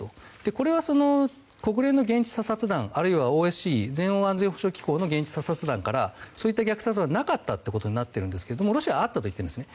これは、国連の現地査察団あるいはＯＳＣＥの現地査察団からそういった虐殺はなかったとなっているんですがロシアはあったと言っているんです。